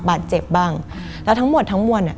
มันกลายเป็นรูปของคนที่กำลังขโมยคิ้วแล้วก็ร้องไห้อยู่